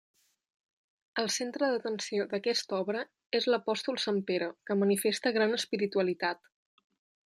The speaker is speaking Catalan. El centre d'atenció d'aquesta obra és l'apòstol sant Pere, que manifesta gran espiritualitat.